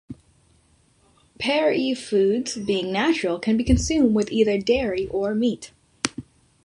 Pareve foods, being neutral, can be consumed with either dairy or meat.